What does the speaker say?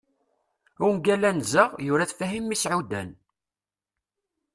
ungal anza, yura-t Fahim Meɛudan